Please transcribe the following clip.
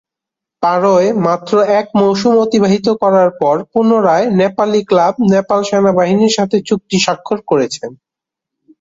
পারোয় মাত্র এক মৌসুম অতিবাহিত করার পর পুনরায় নেপালি ক্লাব নেপাল সেনাবাহিনীর সাথে চুক্তি স্বাক্ষর করেছেন।